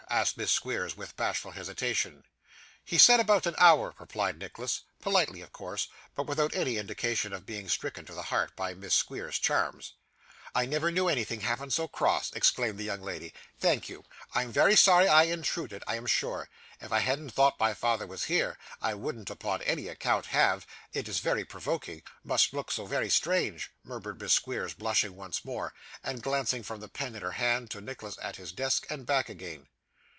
asked Miss Squeers, with bashful hesitation. 'He said about an hour,' replied Nicholas politely of course, but without any indication of being stricken to the heart by Miss Squeers's charms. 'I never knew anything happen so cross,' exclaimed the young lady. 'Thank you! I am very sorry I intruded, I am sure. If I hadn't thought my father was here, I wouldn't upon any account have it is very provoking must look so very strange,' murmured Miss Squeers, blushing once more, and glancing, from the pen in her hand, to Nicholas at his desk, and back again.